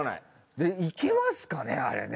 でいけますかねあれね。